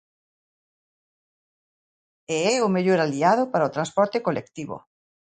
E é o mellor aliado para o transporte colectivo.